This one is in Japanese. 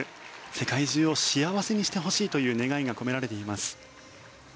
世界中を幸せにしてほしいという願いが込められています。